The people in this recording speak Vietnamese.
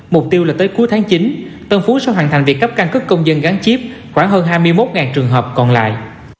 mục tiêu là tới cuối tháng chín tân phú sẽ hoàn thành việc cấp căn cước công dân gắn chip khoảng hơn hai mươi một trường hợp còn lại